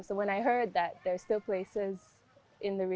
jadi ketika saya mendengar bahwa ada tempat tempat di kawasan pesisir